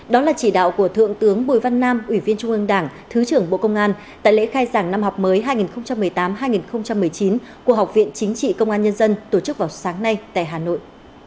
đó là chỉ đạo của thượng tướng bùi văn nam ủy viên trung ương đảng thứ trưởng bộ công an tại lễ khai giảng năm học mới hai nghìn một mươi tám hai nghìn một mươi chín của học viện chính trị công an nhân dân tổ chức vào sáng nay tại hà nội